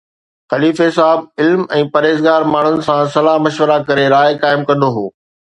خليفي صاحب علم ۽ پرهيزگار ماڻهن سان صلاح مشورا ڪري راءِ قائم ڪندو هو